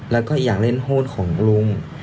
แล้วก็อยากเล่นโฮดของลุง